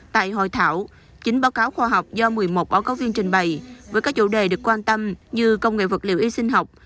tại hội thảo chín báo cáo khoa học do một mươi một báo cáo viên trình bày với các chủ đề được quan tâm như công nghệ vật liệu y sinh học